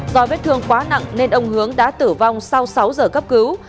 do vết thương quá nặng nên ông hướng đã tử vong sau sáu giờ cấp cứu